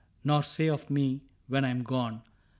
Nor say of me, when I am gone.